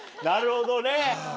なるほどね。